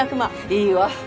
いいわ。